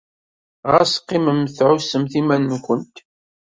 Ɣas qqimemt tɛussemt iman-nwent.